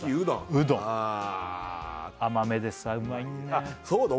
甘めでさうまいんだよ